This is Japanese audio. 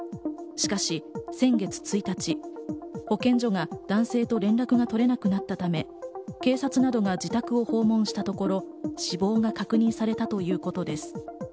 しかし先月１日、保健所が男性と連絡が取れなくなったため、警察などが自宅を訪問したところ死亡が確認されたということです。